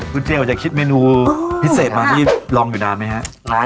คุณเจียวจะคิดเมนูพิเศษมาที่ลองอยู่นานไหมครับ